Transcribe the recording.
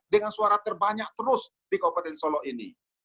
dengan suara terbanyak terus di kabupaten solo ini